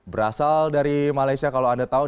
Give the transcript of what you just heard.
berasal dari malaysia kalau anda tahu